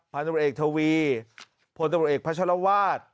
พันธุ์วันเอกทวีพันธุ์วันเอกพระชะลวาส